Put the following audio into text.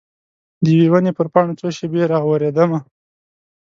د یوي ونې پر پاڼو څو شیبې را اوریدمه